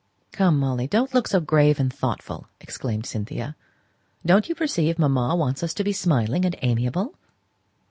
"Come, Molly, don't look so grave and thoughtful," exclaimed Cynthia. "Don't you perceive mamma wants us to be smiling and amiable?"